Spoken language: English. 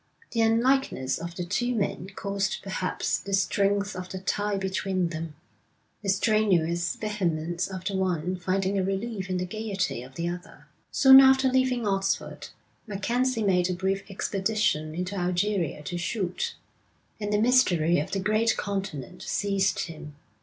The unlikeness of the two men caused perhaps the strength of the tie between them, the strenuous vehemence of the one finding a relief in the gaiety of the other. Soon after leaving Oxford, MacKenzie made a brief expedition into Algeria to shoot, and the mystery of the great continent seized him.